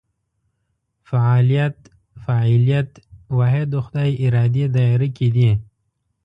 فعالیت فاعلیت واحد خدای ارادې دایره کې دي.